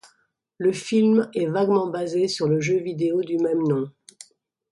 Le film est vaguement basé sur le jeu vidéo du même nom.